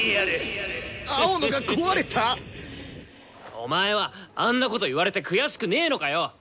お前はあんなこと言われて悔しくねのかよ！？